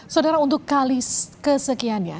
saudara untuk kali kesekiannya